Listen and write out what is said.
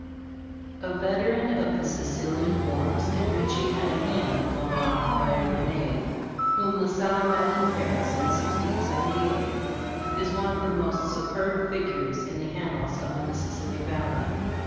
A veteran of the Sicilian wars, in which he had a hand blown off by a grenade, whom La Salle met in Paris in 1678, is one of the most superb figures in the annals of the Mississippi valley.